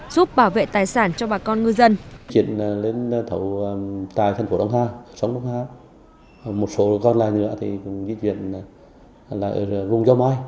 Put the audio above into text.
giúp bảo vệ tài sản cho bà con ngư dân